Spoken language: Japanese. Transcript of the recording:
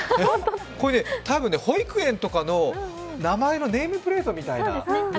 これ多分、保育園とかの名前のネームプレートみたいな。